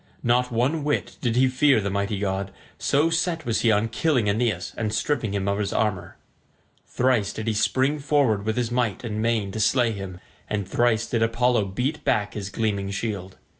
Not one whit did he fear the mighty god, so set was he on killing Aeneas and stripping him of his armour. Thrice did he spring forward with might and main to slay him, and thrice did Apollo beat back his gleaming shield.